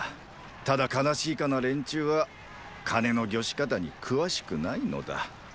ただ悲しいかな連中は金の御し方に詳しくないのだ。